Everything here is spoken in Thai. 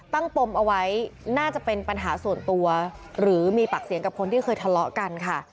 ปมเอาไว้น่าจะเป็นปัญหาส่วนตัวหรือมีปากเสียงกับคนที่เคยทะเลาะกันค่ะ